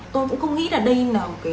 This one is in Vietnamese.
tôi cũng không nghĩ là đây là